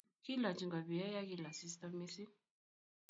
kilochi ngobie ya kila asista mising'